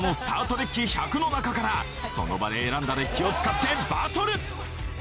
デッキ１００の中からその場で選んだデッキを使ってバトル！